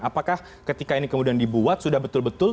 apakah ketika ini kemudian dibuat sudah betul betul